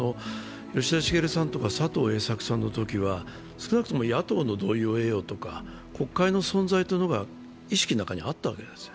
吉田茂さんとか佐藤栄作さんのときには少なくとも野党の同意を得ようとか国会の存在というのが意識の中にあったわけです。